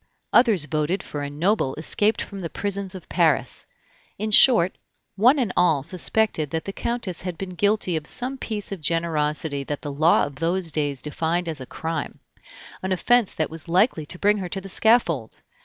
Others voted for a noble escaped from the prisons of Paris. In short, one and all suspected that the Countess had been guilty of some piece of generosity that the law of those days defined as a crime, an offense that was like to bring her to the scaffold.